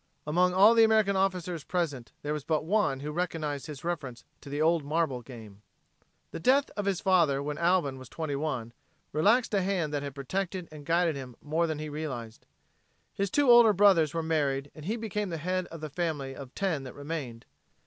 Among all the American officers present there was but one who recognized his reference to the old marble game. The death of his father when Alvin was twenty one, relaxed a hand that had protected and guided him more than he realized. His two older brothers were married and he became the head of the family of ten that remained.